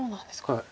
はい。